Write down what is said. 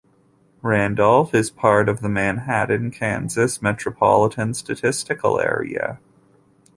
Randolph is part of the Manhattan, Kansas Metropolitan Statistical Area.